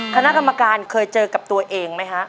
คณะกรรมการเคยเจอกับตัวเองไหมฮะ